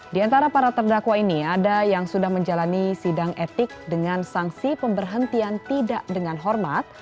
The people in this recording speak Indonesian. di antara para terdakwa ini ada yang sudah menjalani sidang etik dengan sanksi pemberhentian tidak dengan hormat